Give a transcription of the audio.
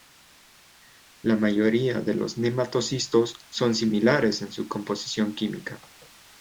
La mayoría de los nematocistos son similares en su composición química.